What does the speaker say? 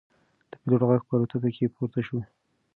د پیلوټ غږ په الوتکه کې پورته شو.